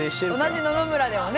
同じ野々村でもね